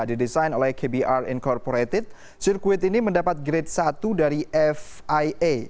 didesain oleh kbr in corporated sirkuit ini mendapat grade satu dari fia